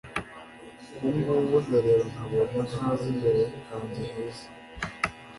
Ubu ngubu ndareba nkabona ntazi imbere hanjye heza